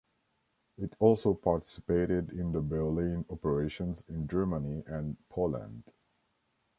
It also participated in the Berlin operations in Germany and Poland.